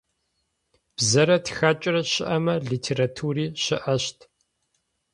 Бзэрэ тхакӏэрэ щыӏэмэ литератури щыӏэщт.